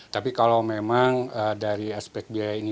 tapi kalau memang dari aspek biaya ini